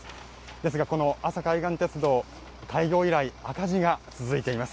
ですがこの、阿佐海岸鉄道、開業以来、赤字が続いています。